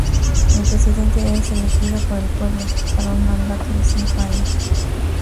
El presidente es elegido por el pueblo para un mandato de cinco años.